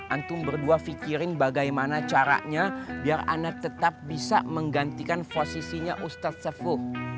antum berdua pikirin bagaimana caranya biar ana tetap bisa menggantikan posisinya ustadz sefu